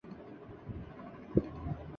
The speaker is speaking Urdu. مخصوص بینچ والی بات تو پیچھے رہ گئی